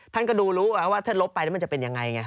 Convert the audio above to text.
ท่านก็ดูรู้ว่าถ้าลบไปมันจะเป็นอย่างไร